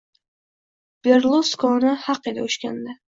Berluskoni haq edi o‘shanda.